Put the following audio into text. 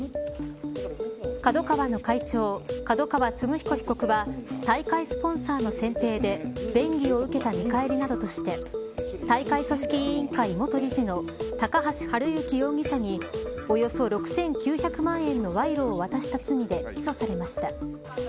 ＫＡＤＯＫＡＷＡの会長角川歴彦被告は大会スポンサーの選定で便宜を受けた見返りなどとして大会組織委員会元理事の高橋治之容疑者におよそ６９００万円の賄賂を渡した罪で起訴されました。